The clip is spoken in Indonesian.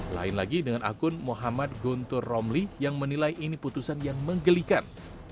lain lagi dengan akun muhammad guntur romli yang menilai ini putusan yang menggelikan